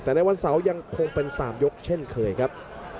แต่ในวันเสาร์ยังคงเป็น๓ยกเช่นเคยครับ